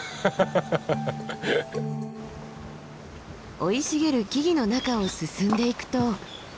生い茂る木々の中を進んでいくと。